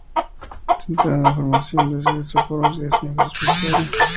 Centrada en la formación de escenógrafos y diseñadores de vestuario.